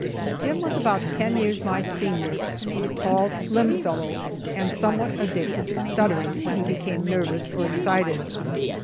Tim was about ten years my senior, a tall, slim fellow, and somewhat addicted to stuttering when he became nervous or excited.